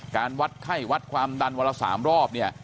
วัดไข้วัดความดันวันละ๓รอบเนี่ย